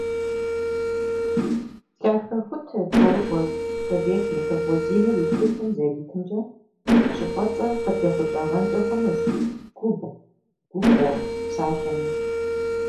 Лъахэхутэ цӀэрыӀуэ Ковешников Владимир и тхылъым зэритымкӀэ, щӀыпӀэцӀэр къытехъукӀагъэнкӀэ хъунущ «губгъу» - «губгъуэ» псалъэми.